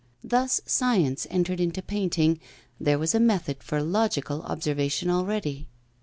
Thus science entered into painting, there was a method for logical observation already.